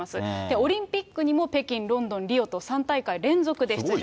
オリンピックにも北京、ロンドン、リオと３大会連続で出場。